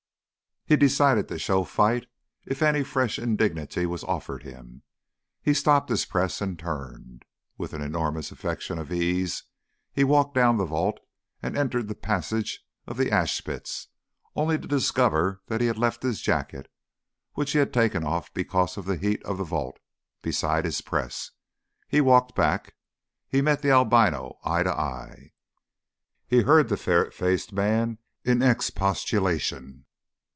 He had decided to show fight if any fresh indignity was offered him. He stopped his press and turned. With an enormous affectation of ease he walked down the vault and entered the passage of the ash pits, only to discover he had left his jacket which he had taken off because of the heat of the vault beside his press. He walked back. He met the albino eye to eye. He heard the ferret faced man in expostulation.